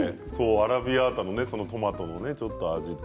アラビアータのトマトの味と。